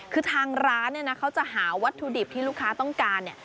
คือทางร้านเนี่ยนะเขาจะหาวัตถุดิบที่ลูกค้าต้องการเนี่ย